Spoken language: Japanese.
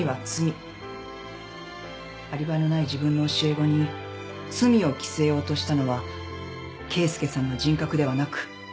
アリバイのない自分の教え子に罪を着せようとしたのは啓介さんの人格ではなく西名先生自身なのよ。